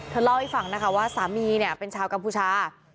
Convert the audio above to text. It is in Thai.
เล่าให้ฟังนะคะว่าสามีเนี่ยเป็นชาวกัมพูชา